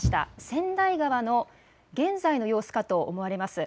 せんだい川の現在の様子かと思われます。